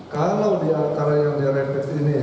kalau diantara yang direpit ini